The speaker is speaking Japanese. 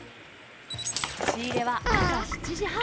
仕入れは朝７時半。